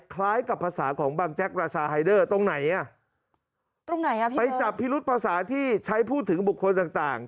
คล้ายกับภาษาของบังแจ๊กราชาไฮเดอร์ตรงไหนอ่ะตรงไหนอ่ะพี่ไปจับพิรุษภาษาที่ใช้พูดถึงบุคคลต่างต่าง